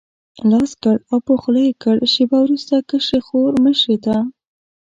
لاس کړ او په خوله یې کړ، شېبه وروسته کشرې خور مشرې ته.